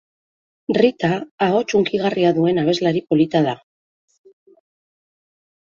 Rita ahots hunkigarria duen abeslari polita da.